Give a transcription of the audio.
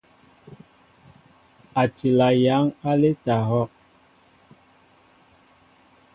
A tila yăŋ aleta ahɔʼ.